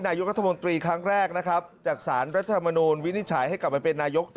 นายกรัฐมนตรีครั้งแรกนะครับจากสารรัฐมนูลวินิจฉัยให้กลับไปเป็นนายกต่อ